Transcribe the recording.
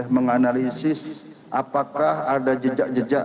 menganalisis apakah ada jejak jejak